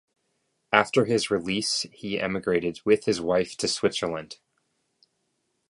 After his release he emigrated with his wife to Switzerland.